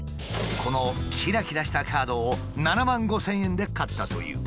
このキラキラしたカードを７万５，０００円で買ったという。